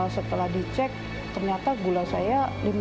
setelah dicek ternyata gula saya lima ratus dua puluh sembilan